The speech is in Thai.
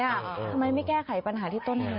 ทำไมไม่แก้ไขปัญหาที่ต้นทาง